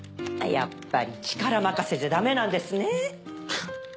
やっぱり力任せじゃだめなんですね。